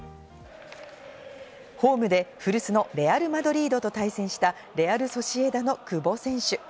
ホームで古巣のレアル・マドリードと対戦したレアル・ソシエダの久保選手。